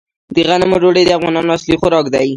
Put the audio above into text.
د غنمو ډوډۍ د افغانانو اصلي خوراک دی.